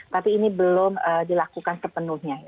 tapi ini belum dilakukan sepenuhnya